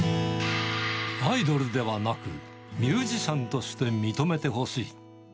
アイドルではなく、ミュージシャンとして認めてほしい。